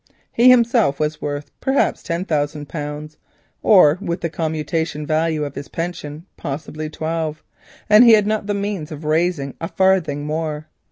He himself was worth perhaps ten thousand pounds, or with the commutation value of his pension, possibly twelve, and he had not the means of raising a farthing more.